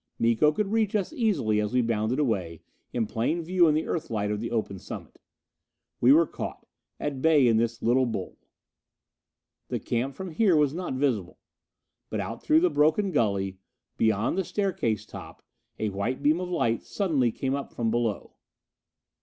Miko could reach us so easily as we bounded away, in plain view in the Earthlight of the open summit! We were caught, at bay in this little bowl. The camp from here was not visible. But out through the broken gully, beyond the staircase top, a white beam of light suddenly came up from below.